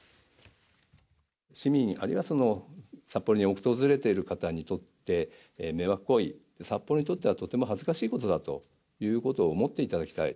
市民あるいは、札幌に訪れている方にとって、迷惑行為、札幌にとってはとても恥ずかしいことだということを思っていただきたい。